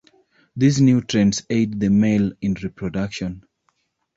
These nutrients aid the male in reproduction.